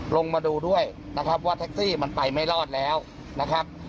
ลงมาดูด้วยนะครับว่าแท็กซี่มันไปไม่รอดแล้วนะครับ